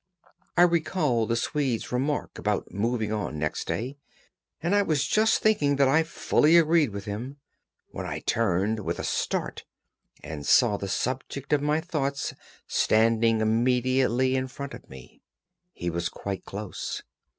I recalled the Swede's remark about moving on next day, and I was just thinking that I fully agreed with him, when I turned with a start and saw the subject of my thoughts standing immediately in front of me. He was quite close.